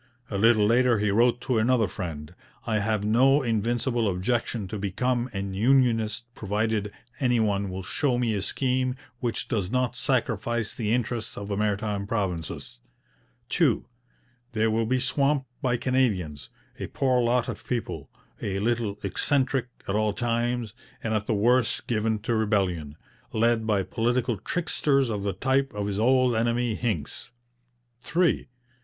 A little later he wrote to another friend: 'I have no invincible objection to become an unionist provided any one will show me a scheme which does not sacrifice the interests of the Maritime Provinces.' 2. They will be swamped by Canadians, a poor lot of people, a little eccentric at all times, and at the worst given to rebellion led by political tricksters of the type of his old enemy Hincks. 3.